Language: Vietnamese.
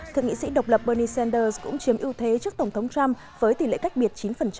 thượng nghị sĩ độc lập bernie sanders cũng chiếm ưu thế trước tổng thống trump với tỷ lệ cách biệt chín